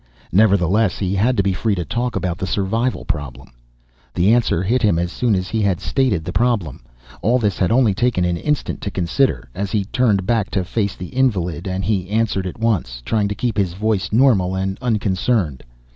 Nevertheless, he had to be free to talk about the survival problem. The answer hit him as soon as he had stated the problem. All this had only taken an instant to consider, as he turned back to face the invalid, and he answered at once. Trying to keep his voice normal and unconcerned.